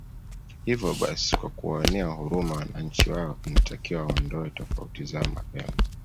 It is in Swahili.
Hivo basi kwa kuwaonea huruma wananchi wao inatakiwa waondoe tofauti zao mapema